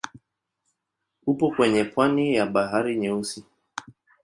Upo kwenye pwani ya Bahari Nyeusi.